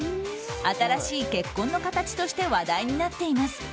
新しい結婚の形として話題になっています。